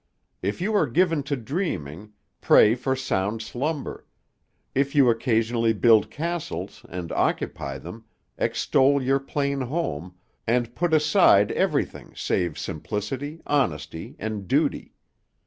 If you are given to dreaming, pray for sound slumber; if you occasionally build castles, and occupy them, extol your plain home, and put aside everything save simplicity, honesty, and duty.